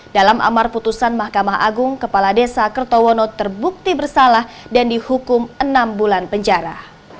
dalam amar putusan mahkamah agung kepala desa kertowono terbukti bersalah dan dihukum enam bulan penjara